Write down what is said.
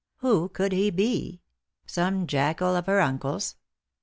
Who could he be ? Some jackal or her uncle's